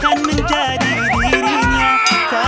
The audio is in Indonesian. hey nggak penuh ga gituin aku